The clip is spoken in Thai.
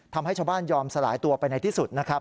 ทำให้ชาวบ้านยอมสลายตัวไปในที่สุดนะครับ